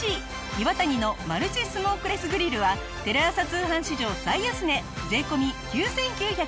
イワタニのマルチスモークレスグリルはテレ朝通販史上最安値税込９９８０円！